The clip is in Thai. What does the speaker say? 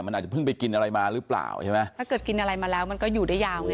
มันอาจจะเพิ่งไปกินอะไรมาหรือเปล่าใช่ไหมถ้าเกิดกินอะไรมาแล้วมันก็อยู่ได้ยาวไง